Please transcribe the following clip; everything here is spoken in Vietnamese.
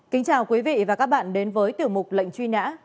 kính chào quý vị và các bạn đến với tiểu mục lệnh truy nã